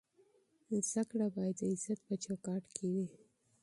تعلیم باید د عزت په چوکاټ کې وي.